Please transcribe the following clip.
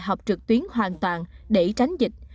học trực tuyến hoàn toàn để tránh dịch